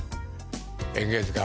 「演芸図鑑」